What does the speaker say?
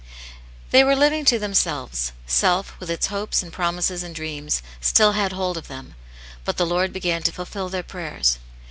•*^*' THEY were living to themselves : self, with its hopes, and promises, and dreams, still had hold of them ; but the Lord began to fulfil their prayers.